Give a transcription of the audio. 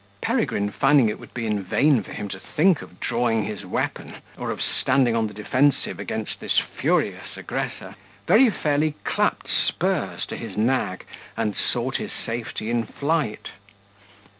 Peregrine finding it would be in vain for him to think of drawing his weapon, or of standing on the defensive against this furious aggressor, very fairly clapped spurs to his nag, and sought his safety in flight.